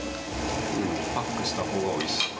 パックしたほうがおいしい。